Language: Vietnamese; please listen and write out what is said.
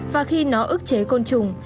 và khi nó ức chế côn trùng